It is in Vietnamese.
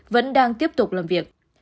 vẫn đang tiếp tục làm việc